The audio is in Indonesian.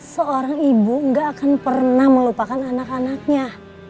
seorang ibu gak akan pernah melupakan anak anaknya